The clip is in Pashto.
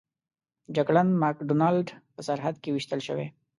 جګړن مک ډانلډ په سرحد کې ویشتل شوی و.